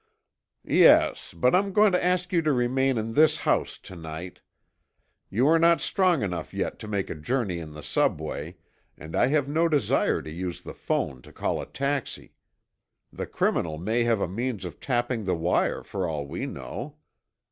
"Yes, but I'm going to ask you to remain in this house to night. You are not strong enough yet to take a journey in the Subway and I have no desire to use the phone to call a taxi. The criminal may have a means of tapping the wire, for all we know.